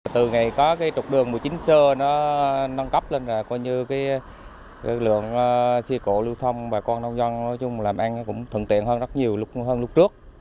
từ ngày có trục đường một mươi chín sơ nó nâng cấp lên là coi như cái lượng si cổ lưu thông bà con nông dân nói chung là mình cũng thuận tiện hơn rất nhiều hơn lúc trước